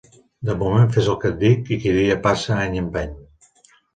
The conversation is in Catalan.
De moment fes el que et dic i qui dia passa any empeny.